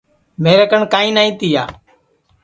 میرے کن کائیں نائی تیا